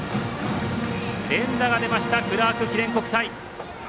連打が出ましたクラーク記念国際。